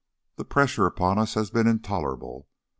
The pressure upon us has been intolerable.